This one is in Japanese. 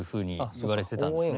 言われてたんですね。